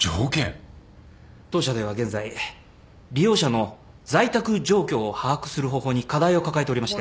当社では現在利用者の在宅状況を把握する方法に課題を抱えておりまして。